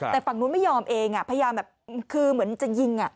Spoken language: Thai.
แต่ฝั่งนู้นไม่ยอมเองพยายามแบบคือเหมือนจะยิง